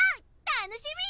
楽しみ！